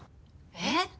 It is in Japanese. えっ！？